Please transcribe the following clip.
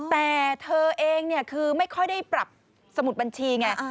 แต่เธอเองเนี่ยคือไม่ค่อยได้ปรับสมุดบัญชีไง